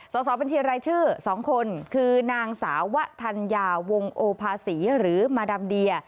สอบบัญชีรายชื่อ๒คนคือนางสาวะธัญญาวงโอภาษีหรือมาดามเดีย